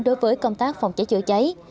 đối với công tác phòng cháy chữa cháy